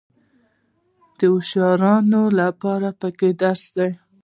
د هوښیارانو لپاره پکې درس دی.